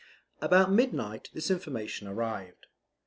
About midnight this information arrived.